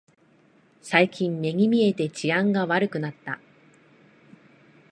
最近目に見えて治安が悪くなった